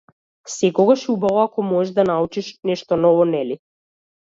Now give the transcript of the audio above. Секогаш е убаво ако можеш да научиш нешто ново, нели?